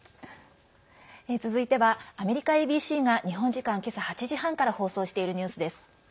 続いてはアメリカＡＢＣが日本時間、今朝８時半から放送しているニュースです。